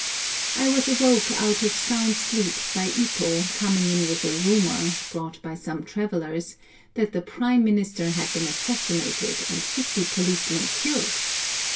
I was awoke out of a sound sleep by Ito coming in with a rumour, brought by some travellers, that the Prime Minister had been assassinated, and fifty policemen killed!